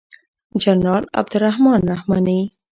جنرال عبدالرحمن رحماني